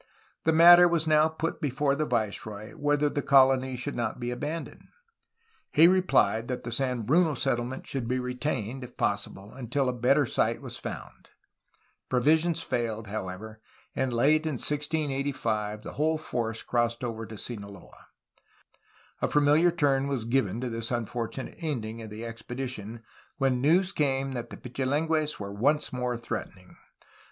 The matter was now put before the viceroy whether the colony should not be abandoned. He 170 A HISTORY OF CALIFORNIA replied that the San Bruno settlement should be retained, if possible, until a better site was found. Provisions failed, however, and late in 1685 the whole force crossed over to Sinaloa. A familiar turn was given to this unfortunate end ing of the expedition when news came that the Pichilingues were once more threatening.